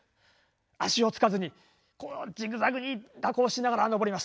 足を着かずにジグザグに蛇行しながら上ります。